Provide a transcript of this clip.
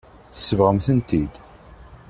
Tsebɣemt-tent-id.